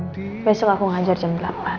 besok aku ngajar jam delapan